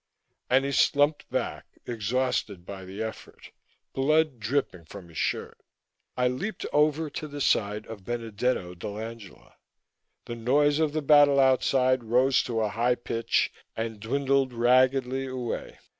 And he slumped back, exhausted by the effort, blood dripping from his shirt. I leaped over to the side of Benedetto dell'Angela. The noise of the battle outside rose to a high pitch and dwindled raggedly away.